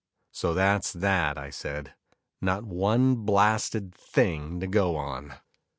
"So that's that," I said, "not one blasted thing to go on."